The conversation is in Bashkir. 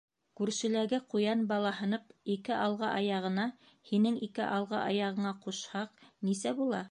— Күршеләге ҡуян балаһынып ике алғы аяғына һинең ике алғы аяғыңа ҡушһаң, нисә була?